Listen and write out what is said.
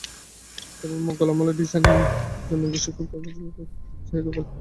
তবে মোগল আমলের ডিজাইন, জাহাজের নোঙর-শিকল, ত্রিভুজ, খাঁজকাটা নকশার ঘড়ির চাহিদাও ভালো।